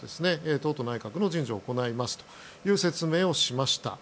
党と内閣の人事を行いますという説明をしました。